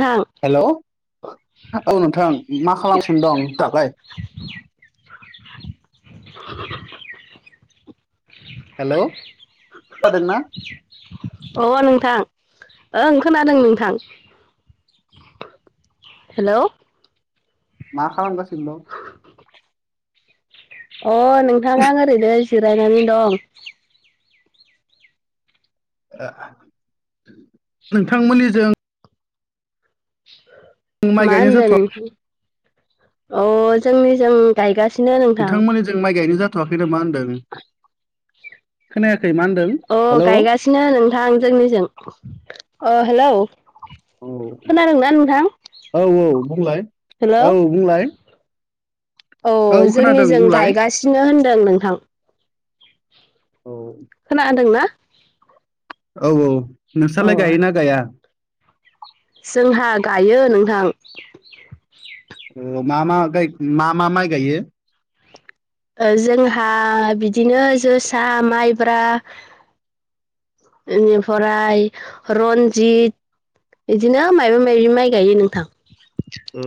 नोंथां हेल' औ नोंथां मा खालामसिनो दं दालाय? [inaudible] हेल' खोनादों ना? अ नोंथां ओं खोनादों नोंथां। हेल'। मा खालामगासिनो दं? अ नोंथा आं ओरैनो जिरायनानै दं। ओ नोंथांमोननि जों माइ मा गायनो होनदों जाथ'वा नोंथां अ जोंनिजों गायगासिनो नोंथां। जों माइ गायनो जाथ'वाखै ना मा होन्दों? खोनायाखै मा होनदों? अ हेलौ गायगासिनो नोंथां जोंनिजों अ हेलौ। खोनादोंना नोंथां औ औ औ बुंलाय हेलौ औ बुंलाय। औ खोनादों जोंनिजों बुंलाय गायगासिनो होनदों नोंथां। औ। खोनादों ना? औ औ अ नोंस्रालाय गायोना गाया? जोंहा गायो नोंथां। ओ मा मा गाय मा मा माइ गायो? ओ जोंहा बिदिनो जोसा माइब्रा इनिफ्राय रन्जित इदिनो मायबा मायाबि माइ गायो नोंथां। औ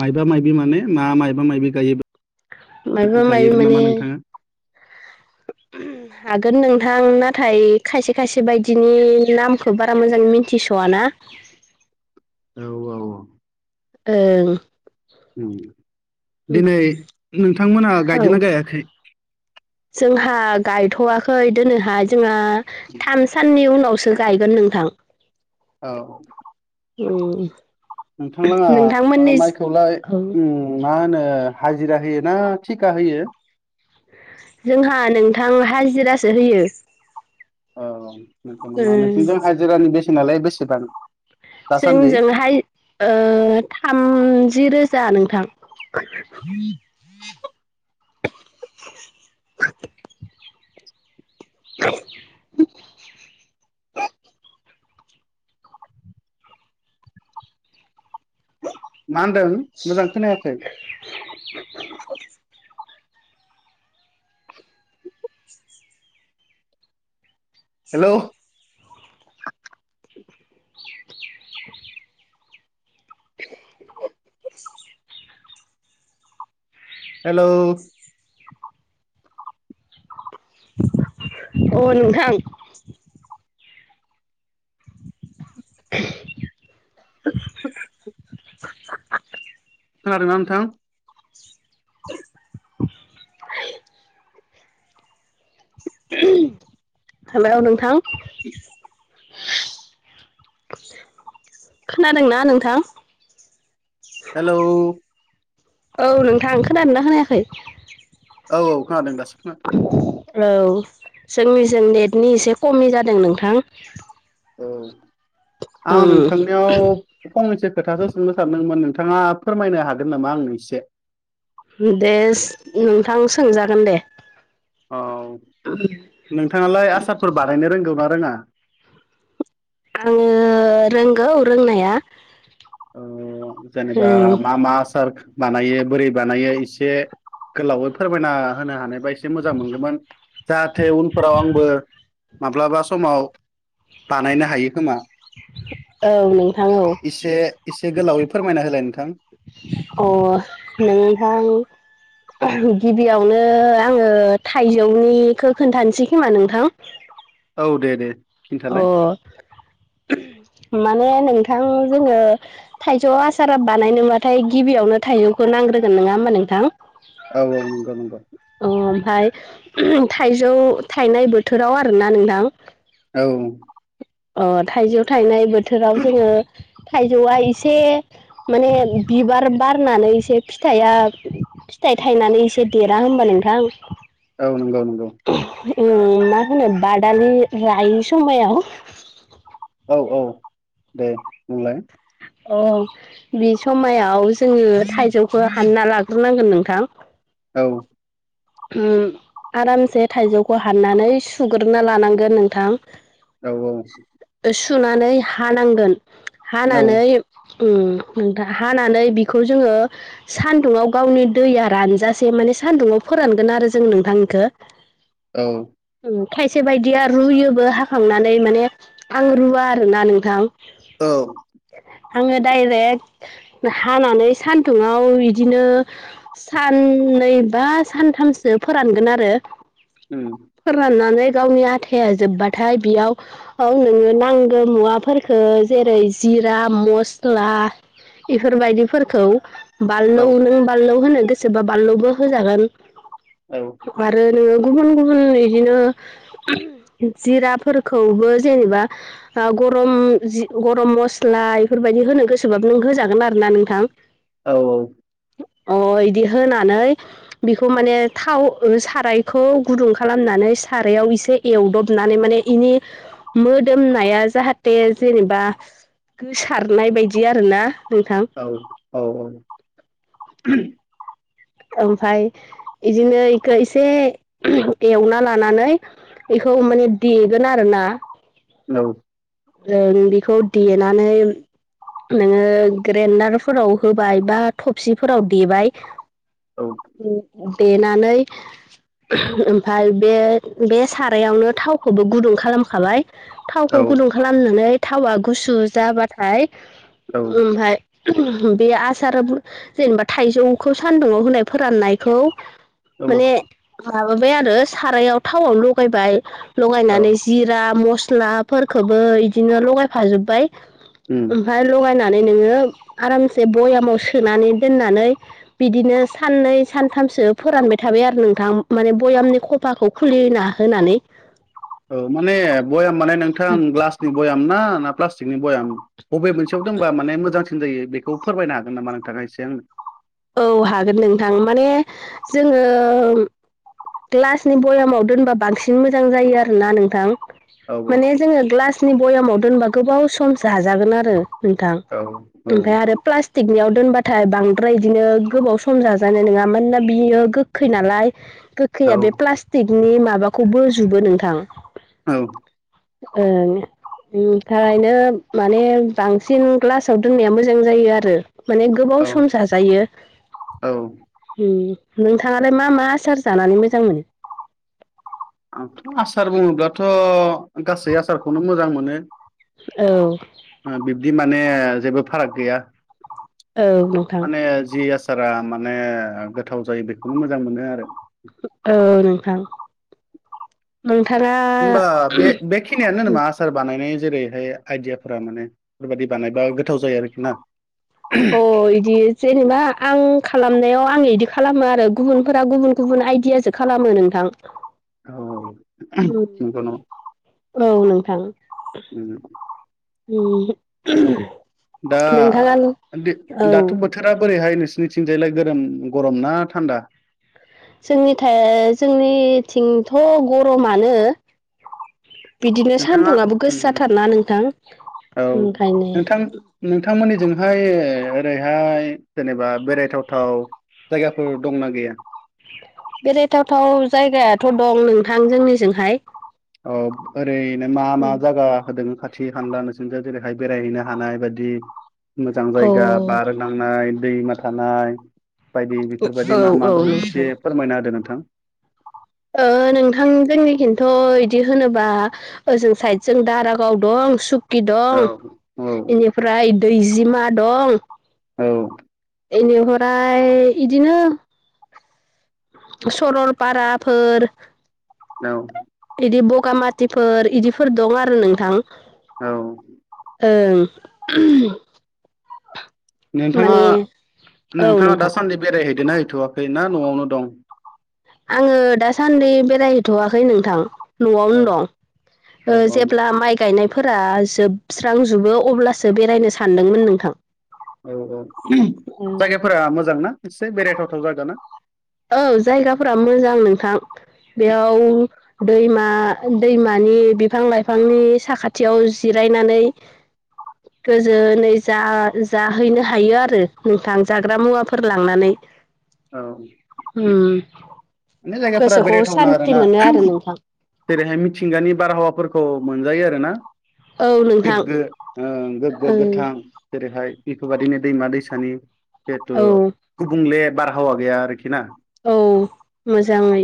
माइबा माइबि माने मा मायबा माइबि गायो मायबा माबि गायोमोन माने नामा नोंथाङा? हागोन नोंथां नाथाय खायसे खायसे बायदिनि नामखौ बारा मोजां मिथिस'व ना। औ औ औ। ओं। उम दिनै नोंथांमोना गायदों औ ना गायाखै? जोंहा गायथ'वाखै दिनैहाय जोंहा थाम सा साननि उनावसो गायगोन नोंथां। औ। उम। नोंथांलाहा ओ नोंथांमोननि माइखौलाय औ उम मा होनो हाजिरा होयो ना थिखा होयो? जोंहा नोंथां हाजिरासो होयो। औ [unintelligible] उम नोंसिनिजों हाजिरानि बेसेनाालाय बेसेबां? दासान्दि? जोंजोंहाय ओ थामजि रोजा नोंथां। मा होनदों मोजां खोनायाखै? [unintelligible] हेलौ [unintelligible] हेलौ अ नोंथां। [unintelligible] [unintelligible] खोनादों ना नोंथां? [inaudible] हेलौ नोंथां। खोनादोंना नोंथां? हेलौ। औ नोंथां खोनादोंना खोनायाखै? औ औ खोनादों दासो खोनादों। औ जोंनिजों नेटनि एसे खमि जादों नोंथां। औ आं ओं नोंथांनियाव फंनैसो खोथासो सोंनो सानदोंमोन नोंथाङा फोरमायनो हागोन नामा आंनो एसे? देस नोंथां सोंजागोन दे। औ नोंथाङालाय आसारफोर बानायनो रोंगौ ना रोङा? आङो रोंगौ रोंनाया। ओ जेनेबा ओं मा मा आसार बानायो बोरै बानायो एसे गोलावै फोरमायना होनो हानायबा एसे मोजां मोनगौमोन जाहाथे उनफोराव आंबो माब्लाबा समाव बानायनो हायो खोमा। औ नोंथां औ। एसे एसे गोलावै फोरमायना होलाय नोंथां। अ नोंथां गिबियावनो आङो थाइजौनिखौ खोन्थानोसै खोमा नोंथां औ दे दे अ खिन्थालाय माने नोंथां जोङो थाइजौ आसारा बानायनोबाथाय गिबियावनो थाइजौखौ नांग्रोगोन नङा होमबा नोंथां? औ औ नंगौ नंगौ अ ओमफ्राय थाइजौ थाइनाय बोथोराव आरोना नोंथां औ अ थाइजौ थाइनाय बोथोराव जोङो थाइजौआ एसे माने बिबार बारनानै एसे फिथाइया फिथाइ थायनानै एसे देरा होनोमबा नोंथां? औ नंगौ ओ मा होनो बादालि रायै समायाव औ औ दे बुंलाय अ बे समायाव जोङो थाइजौखौ हानना लाग्रोनांगोन नोंथां। औ ओ आरामसे थाइजौखौ हाननानै सुग्रोना लानांगोन नोंथां। औ औ सुनानै हानांगोन हानानै उम नोंथां हानानै बिखौ जोङो सान्दुङाव गावनि दैया रानजासे माने सान्दुंआव फोरानगोन आरो जों नोंथां इखो। औ। उम खायसे बायदिया रुयोबो हाखावनानै माने आं रुवा आरोना नोंथां। औ। आङो डाइरेक्ट हानानै सान्दुंआव इदिनो सान नै बा सानथामसो फोरानगोन आरो। उम। फोराननानै गावनि आथाया जोब्बाथाय बियाव औ नोङो नांगो मुवाफोरखो जेरै जिरा मस्ला। इफोरबायदिफोरखौ औ बाललौ नों बाललौ होनो गोसोबा बाललौबो होजागोन। औ। आरो नोङो गुबुन गुबुन इदिनो जिराफोरखौबो जेनेबा हा गरम जि गरम मस्ला इफोरबायदि होनो गोसोबाबो नों होजागोन आरो ना नोंथां। औ औ। अ' इदि होनानै बिखौ माने थाव ओ सारायखौ गुदुं खालामनानै सारायाव इसे एवदबनानै माने इनि मोदोमनाया जाहाथे जेनेबा गोसारनाय बायदि आरोना नोंथां। औ औ औ। ओमफाय इदिनो इखो इसे उम एवना लानानै बेखौ माने देगोन आरो ना। औ। जों बेखौ देनानै नोङो ग्रेन्दारफोराव होबाय बा थबसिफोराव देबाय। औ। देनानै ओमफाय बे बे सारायावनो थावखौबो गुदुं खालामखाबाय। औ थावखौ गुदुं खालामनानै थावा गुसु जाबाथाय औ ओमफाय बे आसार जेनेबा थाइजौखो सान्दुङाव होनाय फोरान्नायखौ औ माने माबाबाय आरो सारायाव थावआव लगायबाय औ लगायनानै जि जिरा मस्ला फोरखोबो इदिनो लगायफाजोब्बाय। उम ओमफाय लगायनानै नोङो आरामसे बयामाव सोनानै दोननानै बिदिनो सान्नै सानथामसो फोरानबाय थाबाय आरो नोंथां माने बयामनि ख फाखौ खुलिना होनानै। ओ माने बयाम माने नोंथां ग्लासनि बयाम ना ना प्लास्टिकनि बयाम। बबे मोनसेयाव दोनबा माने मोजांसिन जायो बेखौ फोरमायनो हागोन नामा नोंथाङा एसे आंनो। औ हागोन नोंथां माने जोङो ग्लासनि बयामाव दोनबा बांसिन मोजां जायो आरोना नोंथां। औ माने जोङो ग्लासनि बयामाव दोनबा गोबाव सम जाजागोन आरो। नोंथां औ ओमफ्राय आरो प्लास्टिकनियाव दोनबाथाय बांद्राय बिदिनो गोबाव सम जाजानाय नोङामोन ना बियो गोखै नालाय गोखैया बे प्लास थिकनि माबाखौ बोजुबो नोंथां। औ ओं उमखायनो माने बांसिन ग्लासाव दोननाया मोजां जायो आरो माने गोबाव औ सम जाजायो। औ उम नोंथाङालाय मा मा आसार जानानै मोजां मोनो। आंथ' आसार बुङोब्लाथ' गासै आसारखौनो मोजां मोनो। औ ओ बिब्दि माने जेबो फाराग गैया औ नोंथां माने जि सारा माने गोथाव जायो बेखौनो मोजां मोनो आरो औ नोंथां नोंथाङा होमबा बे बेखिनियानो होनामा आसार बानायनाय जेरैहाय आइदियाफोरा माने बेफोरबायाददि बानायबा गोथाव जायो आरोखि ना [inaudible] अ बिदि जेनेबा आं खालामनायाव आं बिदि खालामो आरो गुबुनफोरा गुबुन गुबुन आइडिया एसे खालामो नोंथां औ उ नंगौ औ नोंथां नंगौ उ दा दि औ दाथ' बोथोरा बोरैहाय नोंसोरनिथिंजायलाय गोरोम गरम ना थान्दा जोंनिथाय जोंनिथिंथ' गरमानो बिदिनो नोंथाङा सानदुंङाबो गोसो उम थारना नोंथां। औ ओखायनो नोंथां नोंथांमोननिजोंहाय ओरैहाय जेनेबा बेरायथावथाव जायगाफोर दंना गैया बेरायथावथाव जायगायाथ' दं नोंथां जोंनिजोंहाय अ ओरैनो मा मा जायागा होदों खा खाथि हानला नोंसनजाय जेरैहाय बेरायहैनो हानाय बायदि मोजां अ जायगा बार नां थांनाय दैमा थानाय बायदि औ बेफोरबायदि मा औ मा दं नोंथां एसे फोरमायना होदो नोंथां ओ नोंथां जोंनि खिन्थ' बिदि होनोबा ओजों साइदजों दारागाव दं सु कि औ दं औ बेनिफ्राय दैजिमा दं औ एनिहराय बिदिनो सरलपाराफोर औ बिदि बगामाथिफोर इदिफोर दं आरो नोंथां औ ओं नोंथाङा माने औ नोंथाङा नोंथां दासान्दि बेरायहैदोनाा हैथ'वाखै ना न'आवनो दं? आङो दासान्दि बेरायहैथ'वाखै नोंथां। औ न'आवनो औ दं ओ- जेब्ला माइ गायनायफोरा जोबस्रांजोबो अब्लासो बेरायनो सानदोंमोन नोंथां औ औ जायगाफोरा मोजांना एसे बेरायथावथाव जायागा ना? औ जायगाफोरा मोजां नोंथां बेयाव दैमा दैमानि बिफां लाइफांनि साखाथियाव जिरायनानै [inaudible] गोजोनै जा जाहैनो हायो आरो नोंथां जाग्रा मुवाफोर लांनानै। औ उ- माने जायगाफोरा गोसोखौ बेरायथावना सान्थि आरोना मोनो आरो नोंथां। जेरैहाय मिथिंगानि बारहावाफोरखौ मोनजायो आर ना। औ नोंथां गोग्गो ओ- गोग्गो ओं गोथां। जेरैहाय बेफोरबादिनो दैमा दैसानि जिथु औ गुबुंले बारहावा गैया आरोखि ना? औ मोजाङै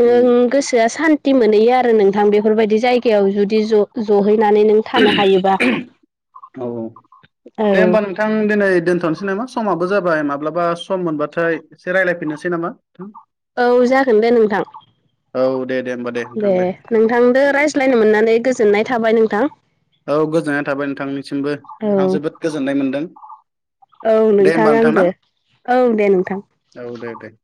नों उम गोसोआ सान थि मोनहैयो आरो नोंथां बेफोरबायदि जायगायाव जुदि जहैनानै नों थानो हायोबा। औ औ दे होमबा नोंथां दिनै दोनथ'नोसै नामा समाबो जाबाय माब्लाबा सम मोनबाथाय एसे रायलायफिननोसै नामा नोंथां। औ जागोन दे नोंथां। औ दे दे होमबा दे। दे नोंथांजों रायज्लायनो मोननानै गोजोननाय थाबाय नोंथां। औ गोजोननाय थाबाय नोंथांनिसिमबो औ आं जोबोद गोजोननाय मोन्दों। औ नोंथां आंबो औ दे नोंथां। औ दे दे।